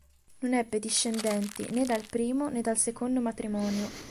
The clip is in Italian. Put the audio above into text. Non ebbe discendenti né dal primo né dal secondo matrimonio.